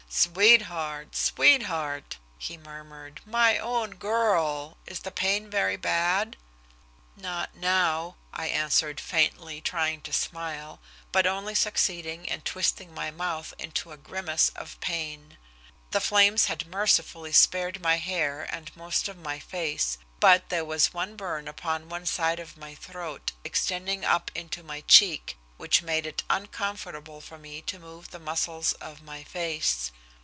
"Sweetheart! Sweetheart!" he murmured, "my own girl! Is the pain very bad?" "Not now," I answered faintly, trying to smile, but only succeeding in twisting my mouth into a grimace of pain. The flames had mercifully spared my hair and most of my face, but there was one burn upon one side of my throat, extending up into my cheek, which made it uncomfortable for me to move the muscles of my face.